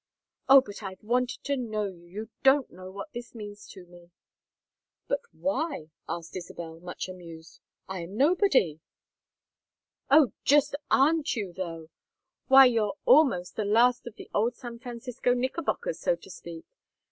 "Oh, but I've wanted to know you! You don't know what this means to me!" "But why?" asked Isabel, much amused. "I am nobody." "Oh, just aren't you, though? Why, you're almost the last of the old San Francisco Knickerbockers, so to speak.